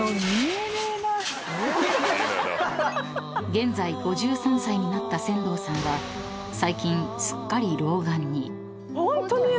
［現在５３歳になった千堂さんは最近すっかり］